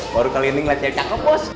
baru kelinding lah cewek cakep bos